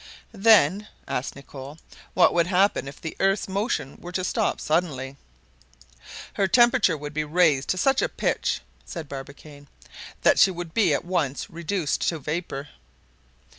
"Then," asked Nicholl, "what would happen if the earth's motion were to stop suddenly?" "Her temperature would be raised to such a pitch," said Barbicane, "that she would be at once reduced to vapor."